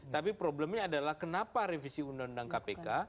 tapi problemnya adalah kenapa revisi undang undang kpk